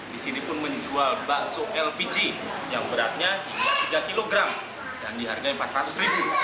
di sini pun menjual bakso lpg yang beratnya hingga tiga kilogram dan diharganya empat ratus ribu